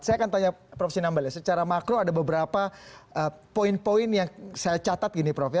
saya akan tanya prof sinambal secara makro ada beberapa poin poin yang saya catat